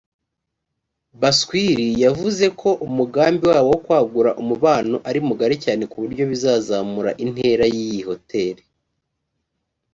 Baswir yavuze ko umugambi wabo wo kwagura umubano ari mugari cyane ku buryo bizazamura intera y’iyi hotel